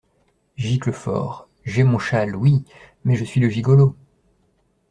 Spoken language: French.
Giclefort. — J’ai mon châle, oui ! mais je suis le gigolo !…